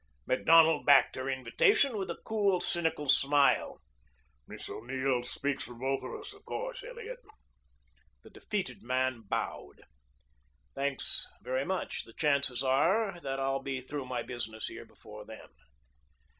Macdonald backed her invitation with a cool, cynical smile. "Miss O'Neill speaks for us both, of course, Elliot." The defeated man bowed. "Thanks very much. The chances are that I'll be through my business here before then."